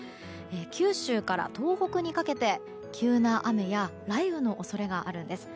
九州から東北にかけて急な雨や雷雨の恐れがあるんです。